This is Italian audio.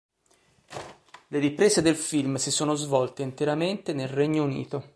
Le riprese del film si sono svolte interamente nel Regno Unito.